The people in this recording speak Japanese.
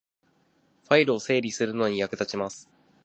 ファイルを整理するのに役立ちます